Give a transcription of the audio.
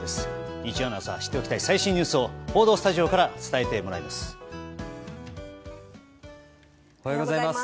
日曜の朝知っておきたい最新ニュースを報道スタジオから伝えてもらいます。